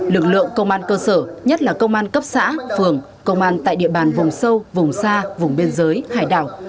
lực lượng công an cơ sở nhất là công an cấp xã phường công an tại địa bàn vùng sâu vùng xa vùng biên giới hải đảo